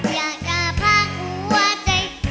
อยากจะพักหัวใจ